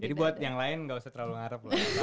jadi buat yang lain gak usah terlalu ngarep loh